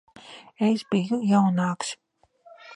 Es biju jaunāks.